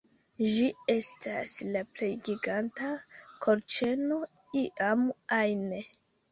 Ĝi estas la plej giganta kolĉeno iam ajn